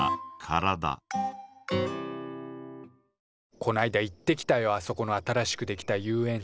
こないだ行ってきたよあそこの新しくできた遊園地。